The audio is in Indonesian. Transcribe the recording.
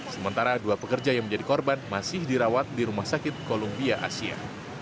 sementara dua pekerja yang menjadi korban masih dirawat di rumah sakit columbia asia